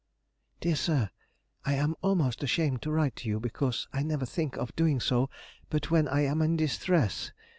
DEAR SIR,— I am almost ashamed to write to you, because I never think of doing so but when I am in distress.